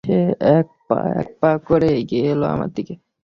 সে এক পা এক পা করে এগিয়ে এল আমার দিকে।